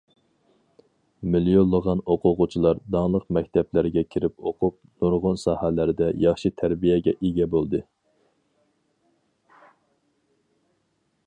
مىليونلىغان ئوقۇغۇچىلار داڭلىق مەكتەپلەرگە كىرىپ ئوقۇپ، نۇرغۇن ساھەلەردە ياخشى تەربىيەگە ئىگە بولدى.